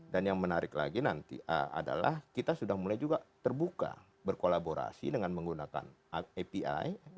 dan yang menarik lagi adalah kita sudah mulai juga terbuka berkolaborasi dengan menggunakan api